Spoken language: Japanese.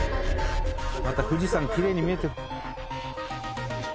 また富士山きれいに見えてる。